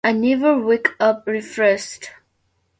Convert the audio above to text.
I never wake up refreshed.